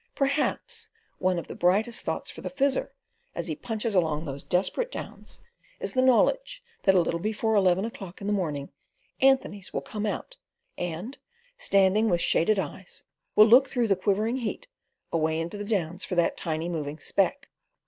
Perhaps one of the brightest thoughts for the Fizzer as he "punches" along those desolate Downs is the knowledge that a little before eleven o'clock in the morning Anthony's will come out, and, standing with shaded eyes, will look through the quivering heat, away into the Downs for that tiny moving speck.